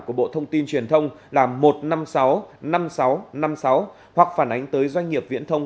của bộ thông tin truyền thông là một trăm năm mươi sáu năm mươi sáu năm mươi sáu hoặc phản ánh tới doanh nghiệp viễn thông